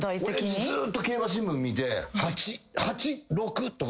親父ずっと競馬新聞見て。